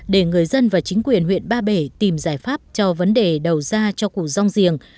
để người dân và chính quyền huyện ba bể tìm giải pháp cho vấn đề đầu ra cho củ rong giềng